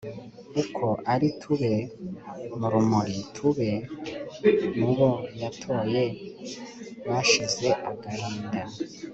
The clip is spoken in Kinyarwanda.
uko ari tube mu rumuri, tube mu bo yatoye bashize agahinda